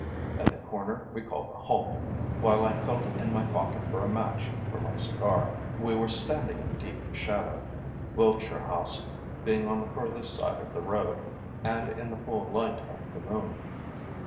At the corner we called a halt, while I felt in my pocket for a match for my cigar. We were standing in deep shadow, Wiltshire House being on the further side of the road, and in the full light of the moon.